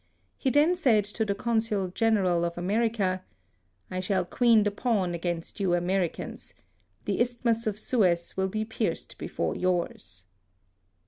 He then said to the Consul General of Ame rica —" I shall queen the pawn against you Americans. The Isthmus of Suez will be pierced before yours."